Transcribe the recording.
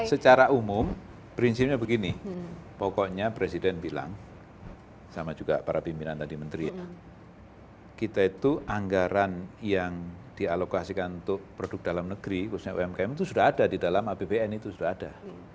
secara umum prinsipnya begini pokoknya presiden bilang sama juga para pimpinan tadi menteri kita itu anggaran yang dialokasikan untuk produk dalam negeri khususnya umkm itu sudah ada di dalam apbn itu sudah ada